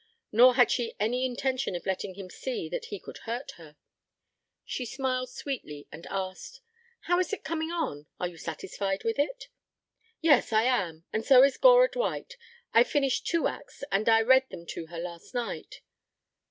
Nor had she any intention of letting him see that he could hurt her. She smiled sweetly and asked: "How is it coming on? Are you satisfied with it?" "Yes, I am. And so is Gora Dwight. I've finished two acts and I read them to her last night."